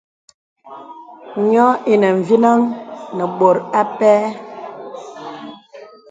Yɔ̄ ìnə mvinəŋ nə bɔ̀t a pɛ.